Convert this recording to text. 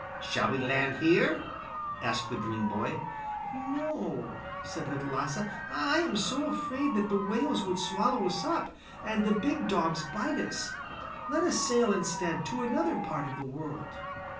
'Shall we land here?' asked the dream boy. 'No,' said Little Lasse. 'I am so afraid that the whales would swallow us up, and the big dogs bite us. Let us sail instead to another part of the world.